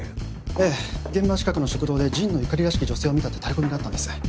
ええ現場近くの食堂で神野由香里らしき女性を見たってタレコミがあったんです。